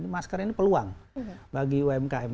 masker ini peluang bagi umkm